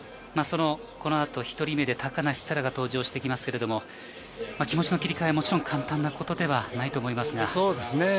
このあと１人目で高梨沙羅が登場してきますが、気持ちの切り替えはもちろん簡単なことではないと思いますが。